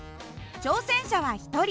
挑戦者は１人。